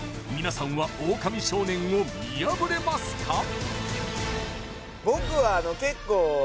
皆さんはオオカミ少年を見破れますか？